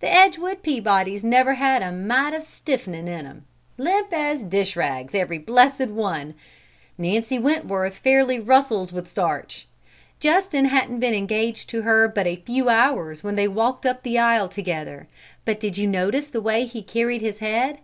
The Edgewood Peabodys never had a mite o' stiffenin' in 'em, limp as dishrags, every blessed one! Nancy Wentworth fairly rustles with starch. Justin hadn't been engaged to her but a few hours when they walked up the aisle together, but did you notice the way he carried his head?